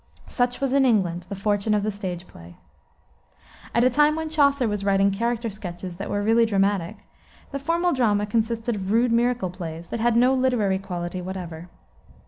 Such was in England the fortune of the stage play. At a time when Chaucer was writing character sketches that were really dramatic, the formal drama consisted of rude miracle plays that had no literary quality whatever.